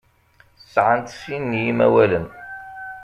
Sɛant sin n yimawalen.